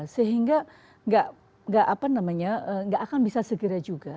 sehingga gak apa namanya gak akan bisa segera juga